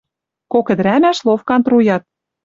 Кок ӹдӹрӓмӓш ловкан труят